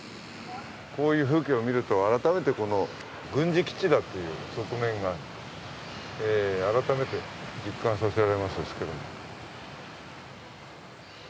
こういう風景を見ると、改めて軍事基地だという側面が実感させられます。